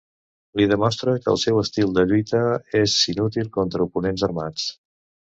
Li demostra que el seu estil de lluita és inútil contra oponents armats.